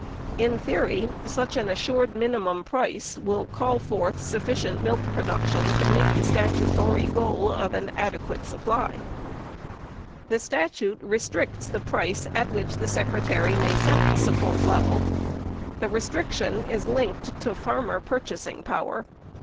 In theory, such an assured minimum price will call forth sufficient milk production to meet the statutory goal of "an adequate supply." 79 The statute restricts the price at which the Secretary may set the support level. The restriction is linked to farmer purchasing power.